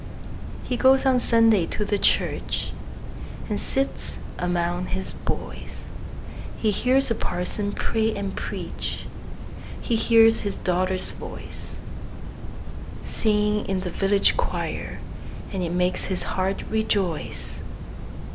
He goes on Sunday to the church, And sits among his boys; He hears the parson pray and preach, He hears his daughter's voice, Singing in the village choir, And it makes his heart rejoice.